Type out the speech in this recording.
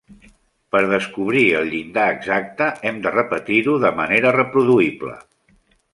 Per descobrir el llindar exacte, hem de repetir-ho de manera reproduïble.